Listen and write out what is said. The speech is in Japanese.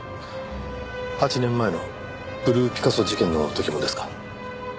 ８年前のブルーピカソ事件の時もですか？